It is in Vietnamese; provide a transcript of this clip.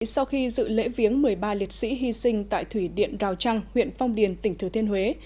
sau khi dự lễ viếng một mươi ba liệt sĩ hy sinh tại thủy điện rào trăng huyện phong điền tỉnh thừa thiên huế